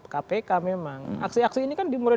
kpk memang aksi aksi ini kan dimulai